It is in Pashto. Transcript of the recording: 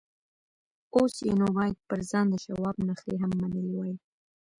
اوس یې نو باید پر ځان د شواب نخرې هم منلې وای